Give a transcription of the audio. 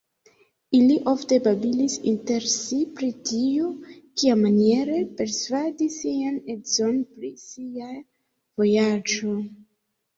Ili ofte babilis inter si pri tio, kiamaniere persvadi sian edzon pri sia vojaĝo.